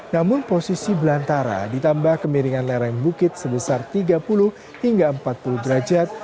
namun posisi belantara ditambah kemiringan lereng bukit sebesar tiga puluh hingga empat puluh derajat